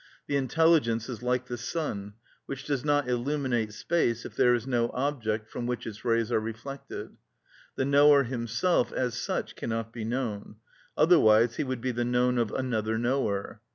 The intelligence is like the sun, which does not illuminate space if there is no object from which its rays are reflected. The knower himself, as such, cannot be known; otherwise he would be the known of another knower.